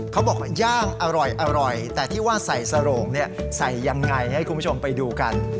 เขาบอกว่าย่างอร่อยแต่ที่ว่าใส่สโรงใส่ยังไงให้คุณผู้ชมไปดูกัน